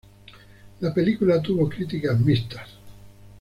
La película tuvo críticas mixtas.